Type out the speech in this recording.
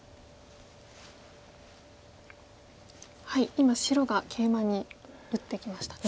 今白がケイマに打ってきましたね。